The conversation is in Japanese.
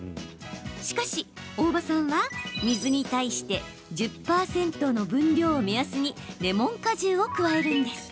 しかし、大場さんは水に対して１０％の分量を目安にレモン果汁を加えるんです。